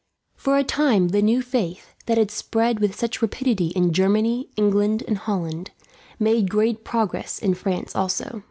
For a time the new faith, that had spread with such rapidity in Germany, England, and Holland, made great progress in France, also.